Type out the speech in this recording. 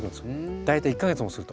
大体１か月もすると。